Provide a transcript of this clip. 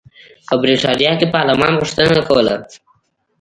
په برېټانیا کې پارلمان غوښتنه کوله.